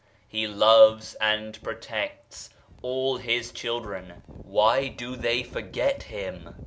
He loves and protects all His children why do they forget Him